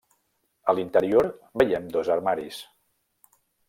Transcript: A l'interior veiem dos armaris.